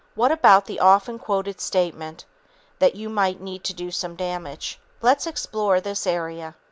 What about the often quoted statement that "you might do some damage"? Let's explore this area.